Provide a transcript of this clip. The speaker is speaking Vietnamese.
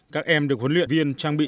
các em được huấn luyện viên trang bị